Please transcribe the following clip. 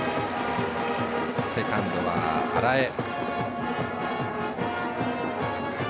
セカンドは荒江。